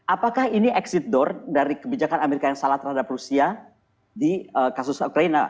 apakah ini exit door dari kebijakan amerika yang salah terhadap rusia di kasus ukraina